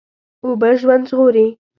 اوبه ژوند ژغوري.